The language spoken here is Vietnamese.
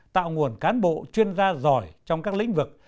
tạo nguồn cán bộ chuyên gia giỏi trong các lĩnh vực